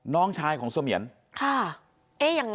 น้องชายของซ่อเมียน